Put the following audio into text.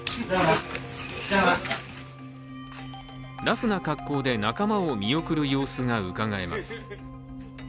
ラフな格好で仲間を見送る様子がうかがえます。